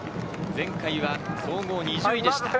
前回は総合２０位でした。